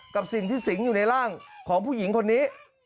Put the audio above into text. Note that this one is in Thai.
กับสิ่งที่สิงอยู่ในร่างของผู้หญิงคนนี้